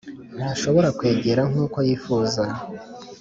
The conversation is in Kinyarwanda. ntashobora kwegera nkuko yifuza.